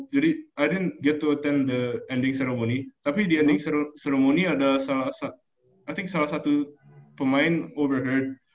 jadi i didn t get to attend the ending ceremony tapi di ending ceremony ada salah satu i think salah satu pemain overhead